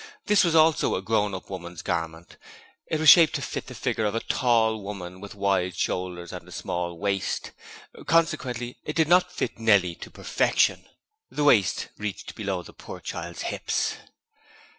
This was also a grown up woman's garment: it was shaped to fit the figure of a tall woman with wide shoulders and a small waist; consequently, it did not fit Nellie to perfection. The waist reached below the poor child's hips.